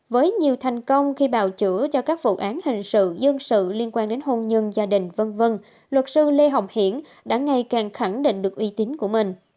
với nhiều thành công khi bào chữa cho các vụ án hình sự dân sự liên quan đến hôn nhân gia đình v v luật sư lê hồng hiển đã ngày càng khẳng định được uy tín của mình